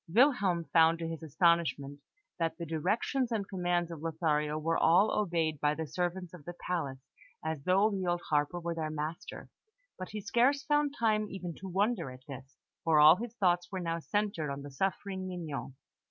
Wilhelm found to his astonishment that the directions and commands of Lothario were all obeyed by the servants of the palace as though the old harper were their master, but he scarce found time even to wonder at this, for all his thoughts were now centred on the suffering Mignon.